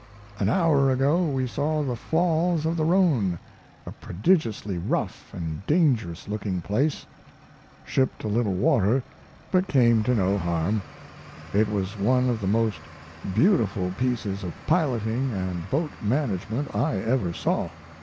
An hour ago we saw the Falls of the Rhone, a prodigiously rough and dangerous looking place; shipped a little water, but came to no harm. It was one of the most beautiful pieces of piloting & boat management I ever saw.